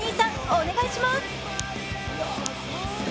お願いします。